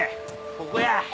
ここや。